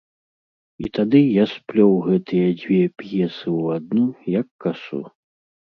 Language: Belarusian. І тады я сплёў гэтыя дзве п'есы ў адну, як касу.